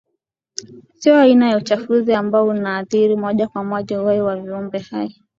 Sio aina ya uchafuzi ambao unaathiri moja kwa moja uhai wa viumbe hai